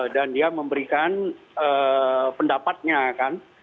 dan dia memberikan pendapatnya kan